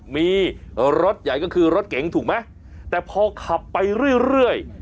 มีรถใหญ่ก็คือรถเก๋งถูกไหมแต่พอขับไปเรื่อย